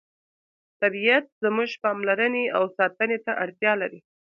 طبیعت زموږ پاملرنې او ساتنې ته اړتیا لري